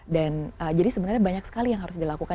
dan jadi sebenarnya banyak sekali yang harus dilakukan